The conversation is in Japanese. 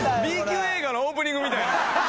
Ｂ級映画のオープニングみたい。